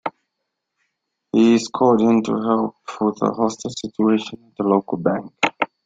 He is called in to help with a hostage situation at a local bank.